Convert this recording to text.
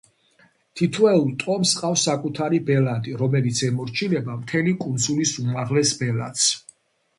თითოეულ ტომს ჰყავს საკუთარი ბელადი, რომელიც ემორჩილება მთელი კუნძულის უმაღლეს ბელადს.